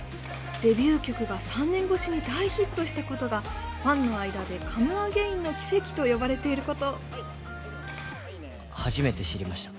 デビュー曲が３年越しに大ヒットしたことがファンの間で「ＣｏｍｅＡｇａｉｎの奇跡」と呼ばれていること初めて知りました